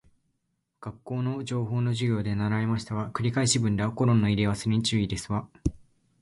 学校の情報の授業で習いましたわ。繰り返し文ではコロンの入れ忘れに注意ですわ